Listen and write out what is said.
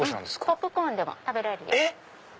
ポップコーンでも食べられるよ。